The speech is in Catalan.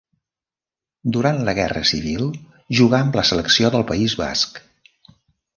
Durant la Guerra Civil jugà amb la selecció del País Basc.